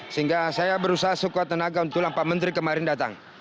sehingga saya berusaha sekuat tenaga untuk pak menteri kemarin datang